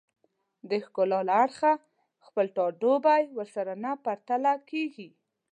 د ښکلا له اړخه خپل ټاټوبی ورسره نه پرتله کېږي